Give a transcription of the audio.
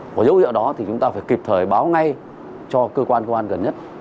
có dấu hiệu đó thì chúng ta phải kịp thời báo ngay cho cơ quan gần nhất